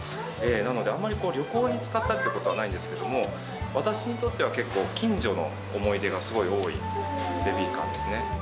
なので、あんまり旅行に使ったりということはないんですけども、私にとっては結構、近所の思い出がすごい多いベビーカーですね。